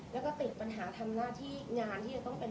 แล้วก็ติดปัญหาทำหน้าที่งานที่จะต้องเป็น